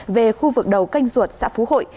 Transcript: về khu vực đầu canh ruột xã phú hội